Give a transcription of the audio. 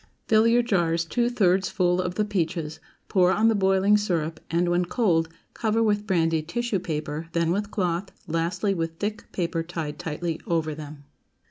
Fill your jars two thirds full of the peaches, pour on the boiling syrup, and, when cold, cover with brandy tissue paper, then with cloth, lastly with thick paper tied tightly over them.